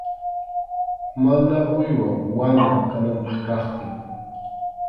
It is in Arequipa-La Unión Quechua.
Mana uywa wanu akananpaq kaptin.